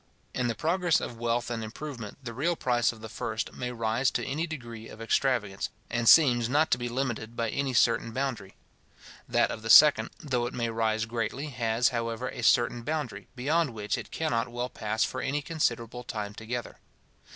In the progress of wealth and improvement, the real price of the first may rise to any degree of extravagance, and seems not to be limited by any certain boundary. That of the second, though it may rise greatly, has, however, a certain boundary, beyond which it cannot well pass for any considerable time together.